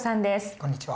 こんにちは。